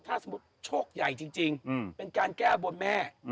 ถ้าสมมุติโชคใหญ่จริงเป็นการแก้บนแม่